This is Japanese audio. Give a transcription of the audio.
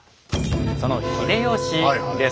その秀吉です。